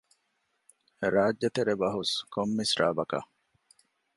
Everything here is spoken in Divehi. ރާއްޖެތެރެ ބަހުސް ކޮން މިސްރާބަކަށް؟